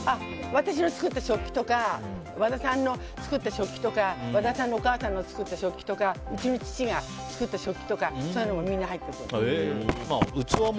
私の作った食器とか和田さんの作った食器とか和田さんのお母さんが作った食器とかうちの父が作った食器とかもみんな入ってるの。